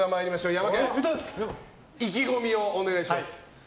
ヤマケン意気込みをお願いします。